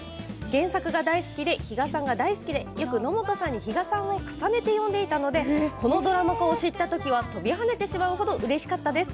原作が大好きで比嘉さんが大好きでよく野本さんに比嘉さんを重ねて読んでいたのでこのドラマ化を知った時は飛び跳ねてしまう程うれしかったです。